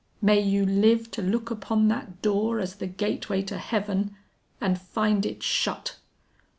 May you live to look upon that door as the gateway to heaven, and find it shut!